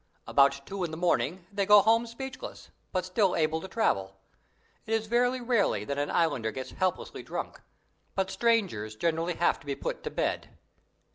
About two in the morning they go home speechless, but still able to travel. It is very rarely that an Islander gets helplessly drunk, but strangers generally have to be put to bed.